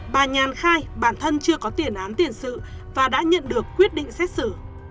bà nhàn khai bản thân chưa có tiền án tiền sự và đã nhận được quyết định xét xử